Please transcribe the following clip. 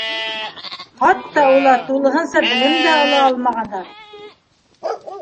Хатта улар тулыһынса белем дә ала алмағандар.